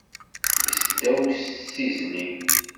Iseddaw s tizli